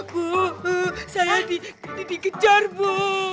bu saya dikejar bu